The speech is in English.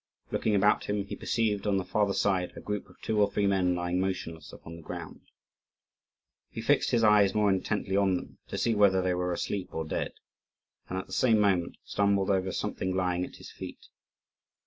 Looking about him, he perceived, on the farther side, a group of two or three men lying motionless upon the ground. He fixed his eyes more intently on them, to see whether they were asleep or dead; and, at the same moment, stumbled over something lying at his feet.